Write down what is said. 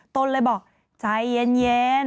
ตนเลยบอกใจเย็น